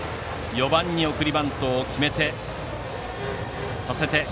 ４番に送りバントを決めさせて。